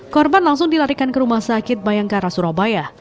korban langsung dilarikan ke rumah sakit bayangkara surabaya